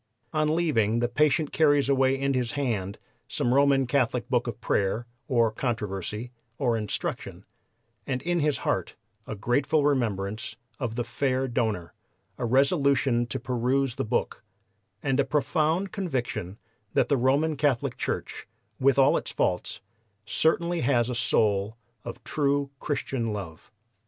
On leaving the patient carries away in his hand some Roman Catholic book of prayer, or controversy, or instruction, and in his heart a grateful remembrance of the fair donor, a resolution to peruse the book, and a profound conviction that the Roman Catholic Church, with all its faults, certainly has a soul of true Christian love.